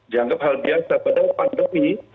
dianggap hal biasa padahal pandemi